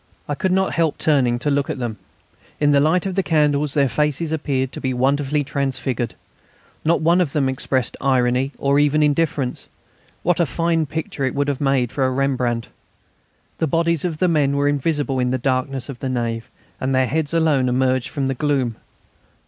I could not help turning to look at them. In the light of the candles their faces appeared to be wonderfully transfigured. Not one of them expressed irony or even indifference. What a fine picture it would have made for a Rembrandt! The bodies of the men were invisible in the darkness of the nave, and their heads alone emerged from the gloom.